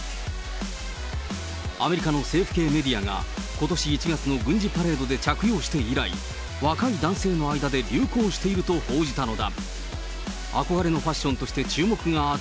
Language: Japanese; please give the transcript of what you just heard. アメリカの政府系メディアが、ことし１月の軍事パレードで着用して以来、若い男性の間で流行していると報じたのだ。